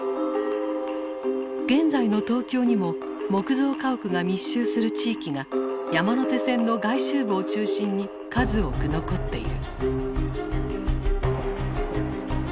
現在の東京にも木造家屋が密集する地域が山手線の外周部を中心に数多く残っている。